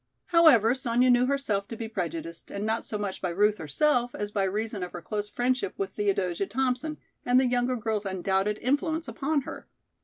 However, Sonya knew herself to be prejudiced and not so much by Ruth herself as by reason of her close friendship with Theodosia Thompson and the younger girl's undoubted influence upon her.